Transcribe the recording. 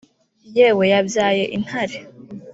yewe yabyaye intare